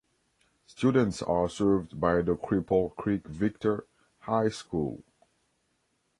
Students are served by the Cripple Creek-Victor High School.